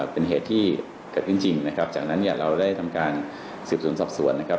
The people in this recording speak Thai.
เป็นเหตุที่เกิดขึ้นจริงนะครับจากนั้นเนี่ยเราได้ทำการสืบสวนสอบสวนนะครับ